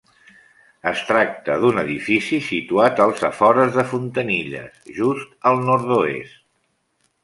Es tracta d'un edifici situat als afores de Fontanilles, just al nord-oest.